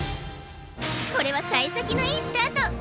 これは幸先のいいスタート